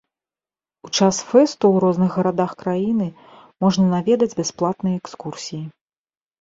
У час фэсту ў розных гарадах краіны можна наведаць бясплатныя экскурсіі.